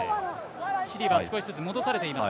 チリは少しずつ戻されています。